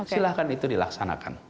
silakan itu dilaksanakan